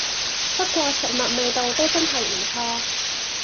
不過食物味道都真係唔錯